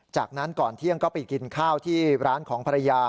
จากนั้นก่อนเที่ยงก็ไปกินข้าวที่ร้านของภรรยา